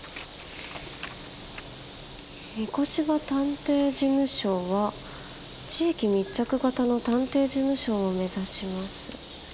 「御子柴探偵事務所は地域密着型の探偵事務所を目指します！」。